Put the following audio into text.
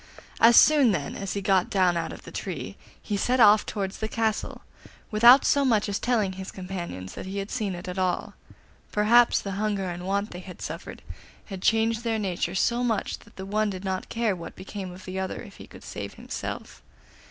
As soon, then, as he got down out of the tree he set off towards the castle, without so much as telling his companions that he had seen it at all; perhaps the hunger and want they had suffered had changed their nature so much that the one did not care what became of the other if he could save himself.